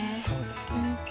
そうですね。